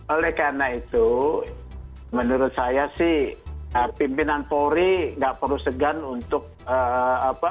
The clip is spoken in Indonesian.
oleh karena itu menurut saya sih pimpinan polri nggak perlu segan untuk apa